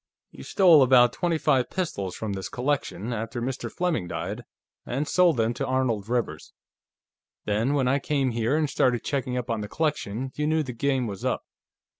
"You stole about twenty five pistols from this collection, after Mr. Fleming died, and sold them to Arnold Rivers. Then, when I came here and started checking up on the collection, you knew the game was up.